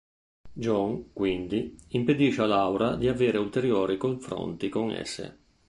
John, quindi, impedisce a Laura di avere ulteriori confronti con esse.